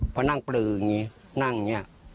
เพราะนั่งปลืออย่างนี้นั่งอย่างนี้